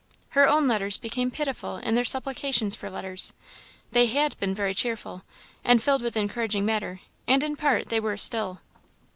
Her own letters became pitiful in their supplications for letters; they had been very cheerful, and filled with encouraging matter, and in part they were still.